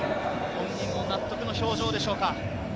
本人も納得の表情でしょうか。